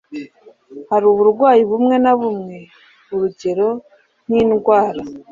hari uburwayi bumwe na bumwe urugero nk indwara